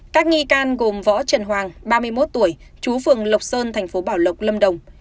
các nghi can gồm võ trần hoàng ba mươi một tuổi chú phường lộc sơn thành phố bảo lộc lâm đồng